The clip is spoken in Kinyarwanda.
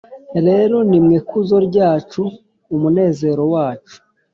Rero ni mwe kuzo ryacu n umunezero wacu